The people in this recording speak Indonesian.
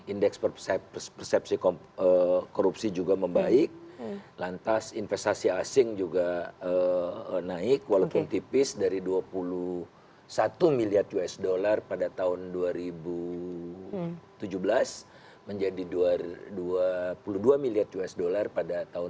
indeks persepsi korupsi juga membaik lantas investasi asing juga naik walaupun tipis dari dua puluh satu miliar usd pada tahun dua ribu tujuh belas menjadi dua puluh dua miliar usd pada tahun dua ribu dua puluh